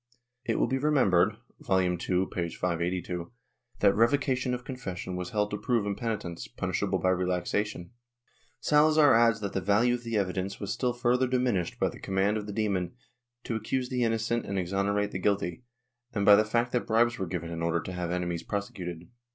It will be remembered (Vol. II, p. 582) that revocation of confession was held to prove impenitence, punishable by relaxation. Salazar adds that the value of the evidence was still further diminished by the command of the demon to accuse the mnocent and exonerate the guilty, and by the fact that bribes were given in order to have enemies prosecuted.